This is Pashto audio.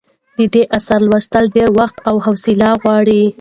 د دې اثر لوستل ډېر وخت او حوصله غواړي.